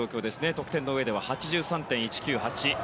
得点の上では８３．１９８。